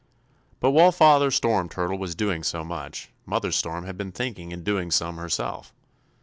"But while Father Storm Turtle was doing so much, Mother Storm had been thinking and doing some herself.